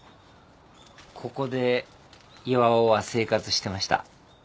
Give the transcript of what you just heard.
ここで巌は生活してました。